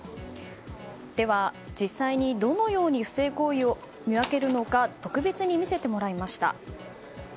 では実際に、どのように不正行為を見分けるのか特別に見せてもらいました。